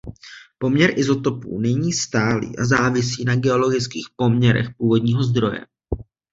Poměr izotopů není stálý a závisí na geologických poměrech původního zdroje.